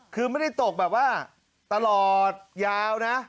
คือไม่ได้ตกแบบว่าตลอดยาวนะ